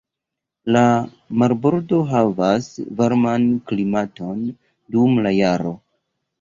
La marbordo havas varman klimaton, dum la jaro.